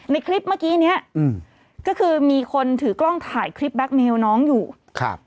ในคลิปเมื่อกี้เนี้ยอืมก็คือมีคนถือกล้องถ่ายคลิปแก๊กเมลน้องอยู่ครับ